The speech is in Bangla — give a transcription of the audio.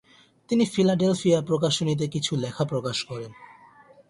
তিনি ফিলাডেলফিয়া প্রকাশনীতে কিছু লেখা প্রকাশ করেন।